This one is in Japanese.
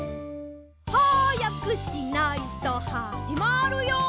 「はやくしないとはじまるよ」